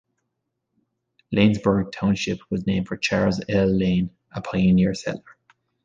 Lanesburgh Township was named for Charles L. Lane, a pioneer settler.